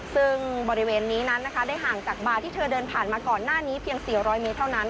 ซึ่งบริเวณนี้นั้นนะคะได้ห่างจากบาร์ที่เธอเดินผ่านมาก่อนหน้านี้เพียง๔๐๐เมตรเท่านั้น